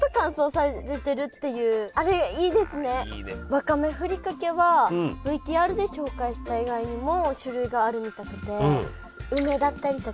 わかめふりかけはＶＴＲで紹介した以外にも種類があるみたくて。